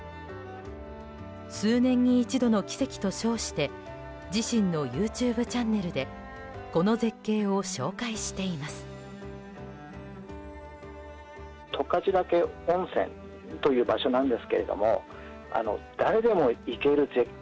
「数年に一度の奇跡」と称して自身のＹｏｕＴｕｂｅチャンネルでこの絶景を紹介しています。